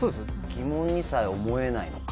疑問にさえ思えないのか。